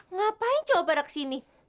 ngapain cowok pada kesini